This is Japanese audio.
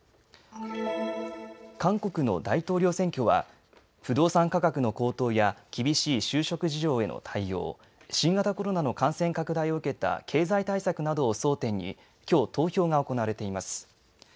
韓国の大統領選挙は不動産価格の高騰や厳しい就職事情への対応、新型コロナの感染拡大を受けた経済対策などを争点にきょう投票が行われています。